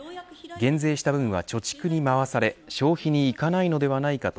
減税した分は貯蓄に回され消費にいかないのではないかと